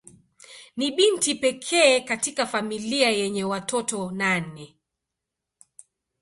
Ni binti pekee katika familia yenye watoto nane.